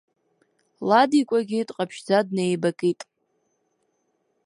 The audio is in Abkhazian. Ладикәагьы дҟаԥшьӡа днеибакит.